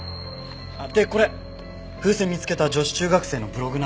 でこれ風船を見つけた女子中学生のブログなんだけど。